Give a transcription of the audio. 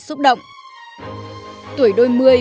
xúc động tuổi đôi mươi